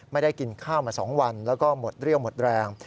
ไม่ได้กินข้าวมา๒วันแล้วก็หมดเรี่ยวหมดแรง